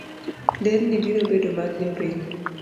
Nderni biro bedo mag jopiny.